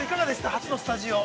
初のスタジオ。